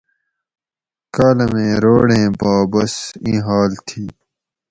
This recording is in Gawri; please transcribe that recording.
کالمیں روڑیں پا بس ایں حال تھی